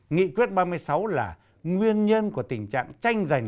nghị quyết ba mươi sáu là nguyên nhân của tình trạng tranh giành